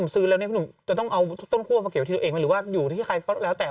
ซื้อออนไลน์หรือซื้อฝากใครหรืออะไรก็แล้วแต่